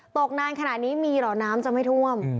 ตกนานขนาดนี้มีเหรอน้ำจะไม่ท่วม